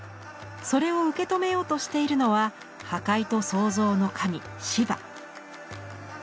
それを受け止めようとしているのは破壊と創造の神シヴァ。